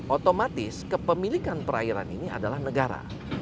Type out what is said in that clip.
otomatis kepemilikan perairan ini adalah negara